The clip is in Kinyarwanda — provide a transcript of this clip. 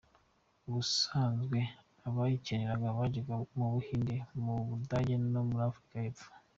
Ubusanzwe abayikeneraga bajyaga mu Buhinde, mu Budage no muri Afurika y’Epfo.